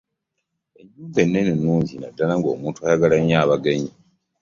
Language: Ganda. Enju ennene nnungi naddala ng'omuntu ayagala nnyo abagenyi.